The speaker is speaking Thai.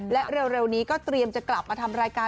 และเร็วนี้ก็เตรียมจะกลับมาทำรายการ